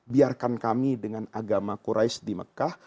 biarkan kami dengan agama qurais di mekah